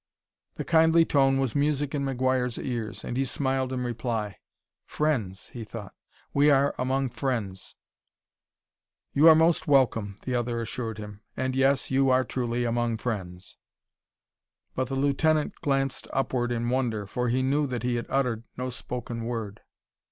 The kindly tone was music in McGuire's ears, and he smiled in reply. "Friends!" he thought. "We are among friends." "You are most welcome," the other assured him, "and, yes, you are truly among friends." But the lieutenant glanced upward in wonder, for he knew that he had uttered no spoken word.